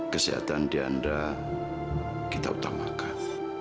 kesehatan diandra kita utamakan